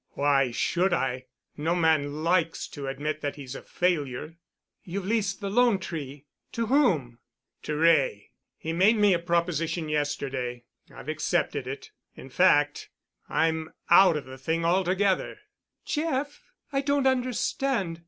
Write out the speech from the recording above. "Why should I? No man likes to admit that he's a failure." "You've leased the 'Lone Tree'? To whom?" "To Wray. He made me a proposition yesterday. I've accepted it. In fact, I'm out of the thing altogether." "Jeff? I don't understand.